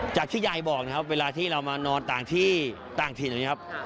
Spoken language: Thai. จากพี่ยายบอกเวลาที่เรามานอนต่างที่ต่างที่นะครับ